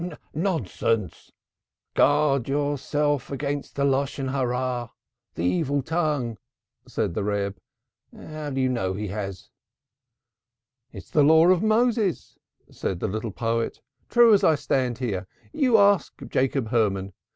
"Nonsense! Guard yourself against the evil tongue," said the Reb. "How do you know he has?" "It's the Law of Moses," said the little poet. "True as I stand here. You ask Jacob Hermann.